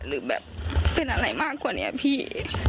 หรือแบบเป็นอะไรมากกว่านี้พี่